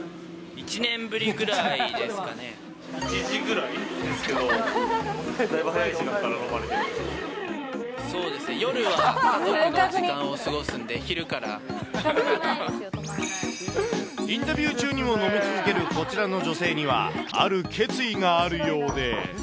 １時ぐらいですけど、そうですね、夜は家族の時間インタビュー中にも飲み続けるこちらの女性には、ある決意があるようで。